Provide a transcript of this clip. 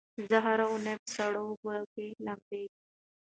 زه هره اونۍ په سړو اوبو کې لمبېږم.